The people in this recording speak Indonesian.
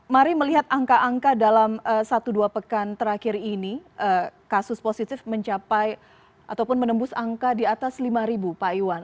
mari melihat angka angka dalam satu dua pekan terakhir ini kasus positif mencapai ataupun menembus angka di atas lima pak iwan